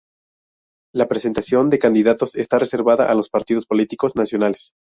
La presentación de candidatos está reservada a los partidos políticos nacionales.